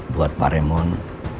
buat pak raymond